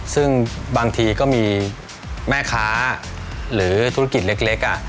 ซึ่งบางทีก็มีแม่ค้าหรือธุรกิจเล็ก